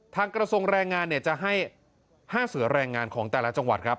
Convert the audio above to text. กระทรวงแรงงานจะให้๕เสือแรงงานของแต่ละจังหวัดครับ